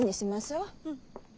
うん。